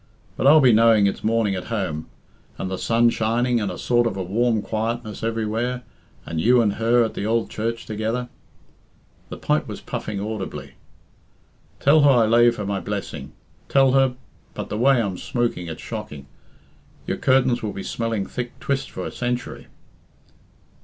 But I'll be knowing it's morning at home, and the sun shining, and a sort of a warm quietness everywhere, and you and her at the ould church together." The pipe was puffing audibly. "Tell her I lave her my blessing. Tell her but the way I'm smooking, it's shocking. Your curtains will be smelling thick twist for a century."